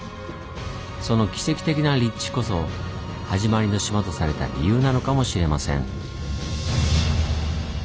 その奇跡的な立地こそ「はじまりの島」とされた理由なのかもしれません。